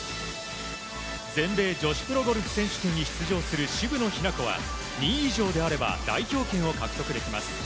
全米女子プロゴルフ選手権に出場する渋野日向子は、２位以上であれば代表権を獲得できます。